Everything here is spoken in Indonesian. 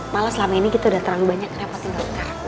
malah selama ini kita udah terlalu banyak repotin dokter